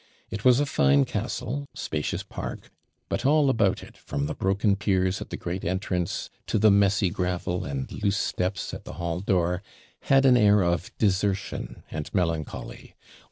It was a fine castle, spacious park; but all about it, from the broken piers at the great entrance, to the messy gravel and loose steps at the hall door, had an air of desertion and melancholy.